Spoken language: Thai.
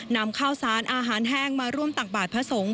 นำข้าวสารอาหารแห้งมาร่วมตักบาทพระสงฆ์